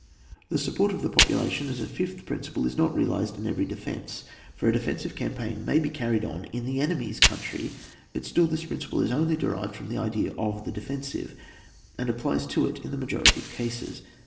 The support of the population as a £fkh principle is not realised in every defence, for a defensive campaign may be carried on in the enemy's country, but still this principle is only derived from the idea of the defensive, and applies to it in the majority of cases.